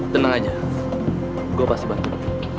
tenang aja gue pasti bangkit